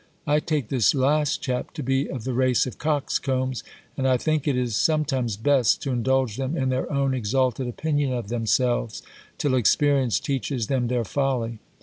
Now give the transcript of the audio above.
1 take this last chap to be of the race of coxcombs ; and I think it is sometimes best, to indulge them in their own exalted opinion of them selves, till experience teaches them their folly.